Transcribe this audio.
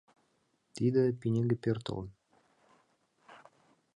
Тиде — пинеге пӧртылын.